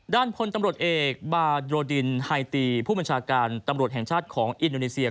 พลตำรวจเอกบาโดรดินไฮตีผู้บัญชาการตำรวจแห่งชาติของอินโดนีเซีย